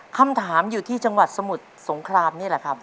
คำถามอยู่ที่จังหวัดสมุทรสงครามนี่แหละครับ